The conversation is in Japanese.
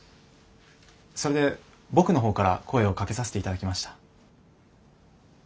それで僕の方から声をかけさせて頂きました。